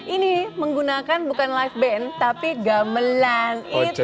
ini menggunakan bukan live band tapi gamelan